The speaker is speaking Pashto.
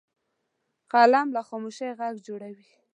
قلم له خاموشۍ غږ جوړوي